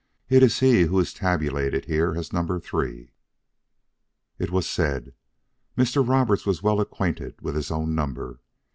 It is he who is tabulated here as number 3." It was said. Mr. Roberts was well acquainted with his own number.